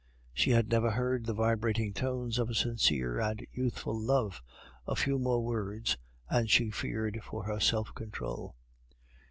She had never heard the vibrating tones of a sincere and youthful love; a few more words, and she feared for her self control.